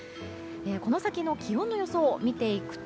この先の気温の予想を見ていくと